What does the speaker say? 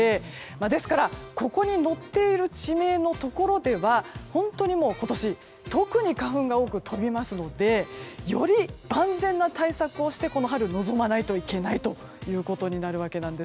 ですから、ここに載っている地名のところでは本当に今年特に花粉が多く飛びますのでより万全な対策をしてこの春、臨まないといけないということになるわけです。